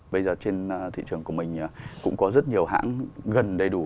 bây giờ trên thị trường của mình cũng có rất nhiều hãng gần đầy đủ